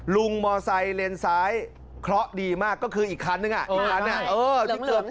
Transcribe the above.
ลุงมอเตอร์ไซด์เลนซ้ายเคราะห์ดีมากก็คืออีกครั้นนึงอ่ะอีกครั้นเนี่ย